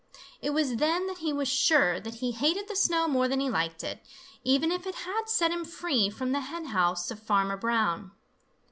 It was then that he was sure that he hated the snow more than he liked it, even if it had set him free from the hen house of Farmer Brown.